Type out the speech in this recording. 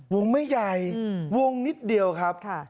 วงไม่ใหญ่วงนิดเดียวครับ